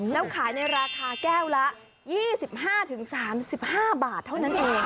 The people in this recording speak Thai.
แล้วขายในราคาแก้วละ๒๕๓๕บาทเท่านั้นเอง